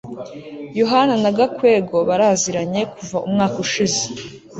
yohana na gakwego baraziranye kuva umwaka ushize